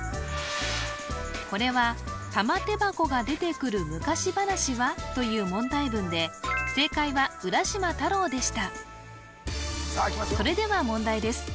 これは「玉手箱」が出てくる昔話は？という問題文で正解は浦島太郎でしたそれでは問題です